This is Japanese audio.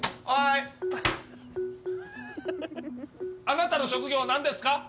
あなたの職業何ですか？